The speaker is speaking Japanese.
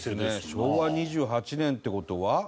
昭和２８年って事は？